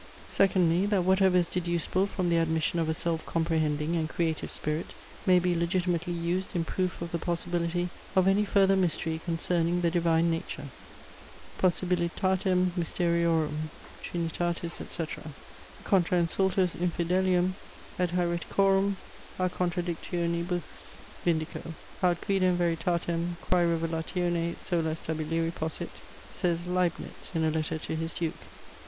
Secondly, that whatever is deducible from the admission of a self comprehending and creative spirit may be legitimately used in proof of the possibility of any further mystery concerning the divine nature. Possibilitatem mysteriorum, (Trinitatis, etc.) contra insultus Infidelium et Haereticorum a contradictionibus vindico; haud quidem veritatem, quae revelatione sola stabiliri possit; says Leibnitz in a letter to his Duke.